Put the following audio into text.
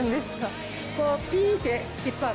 こうピって。